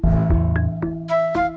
terima kasih bang